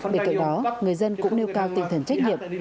bên cạnh đó người dân cũng nêu cao tinh thần trách nhiệm